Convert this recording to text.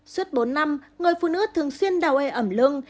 suốt bốn năm người phụ nữ thường xuyên đào ê ẩm lưng